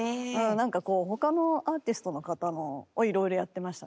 何か他のアーティストの方のをいろいろやってましたね。